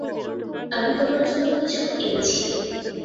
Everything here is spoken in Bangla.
আমি তোমার জন্য কিছু এনেছি।